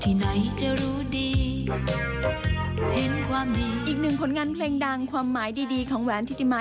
อีกหนึ่งผลงานเพลงดังความหมายดีของแหวนทิติมา